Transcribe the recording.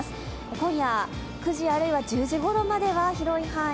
今夜、９時、あるいは１０時ごろまでは広い範囲